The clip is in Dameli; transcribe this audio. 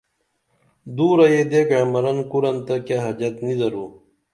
دورہ یدے گعمرن کُرنتہ کیہ حجت نی درو